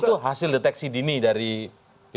itu hasil deteksi dini dari pihak la paz